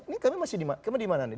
ini kami masih di mana nih